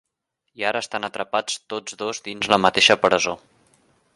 I ara estan atrapats tots dos dins la mateixa presó.